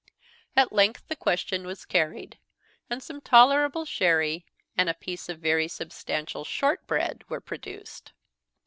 At length the question was carried; and some tolerable sherry and a piece of very substantial shortbread were produced.